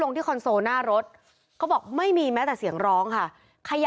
แล้วก็ได้คุยกับนายวิรพันธ์สามีของผู้ตายที่ว่าโดนกระสุนเฉียวริมฝีปากไปนะคะ